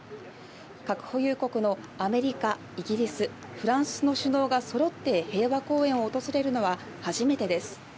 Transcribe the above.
核保有国のアメリカ、イギリスフランスの首脳がそろって平和公園を訪れるのは初めてです。